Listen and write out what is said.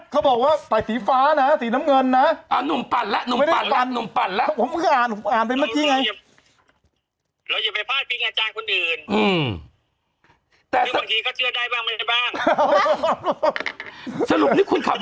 เขาบอกคุณไปเต้นกันเลยกับน้องกัฟโอ๊ยใส่สรุนผิวต้องเหมือนเธอน่ะ